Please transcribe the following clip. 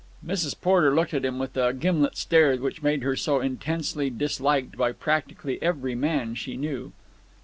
Mrs. Porter looked at him with the gimlet stare which made her so intensely disliked by practically every man she knew.